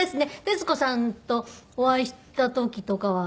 徹子さんとお会いした時とかは。